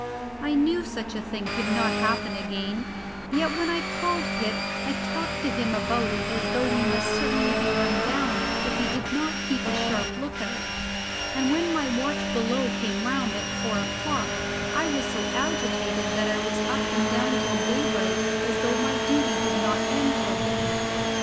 I knew such a thing could not happen again, yet when I called Pitt I talked to him about it as though we must certainly be run down if he did not keep a sharp look out, and when my watch below came round at four o'clock, I was so agitated that I was up and down till daybreak, as though my duty did not end till then.